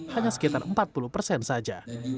hanya sekitar empat puluh persen saja